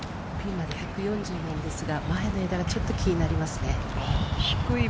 １４０なんですが、前の枝がちょっと気になりますね。